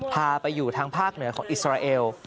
พาไปอยู่ทางภาคเหนือของอิสราเอล